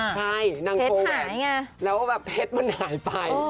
ใช่นางโกแหวนแล้วแบบเพชรมันหายไป